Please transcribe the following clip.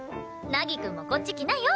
凪くんもこっち来なよ。